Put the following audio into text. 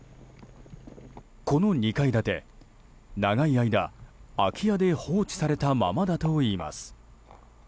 この２階建て、長い間、空き家で放置されたままだといいます。